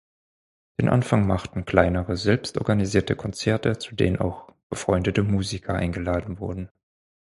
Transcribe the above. Den Anfang machten kleinere, selbst organisierte Konzerte, zu denen auch befreundete Musiker eingeladen wurden.